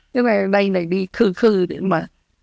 nhưng mà đây này đi khư khư mà